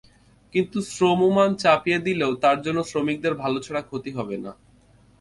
কিন্তু শ্রমমান চাপিয়ে দিলেও তার জন্য শ্রমিকদের ভালো ছাড়া ক্ষতি হবে না।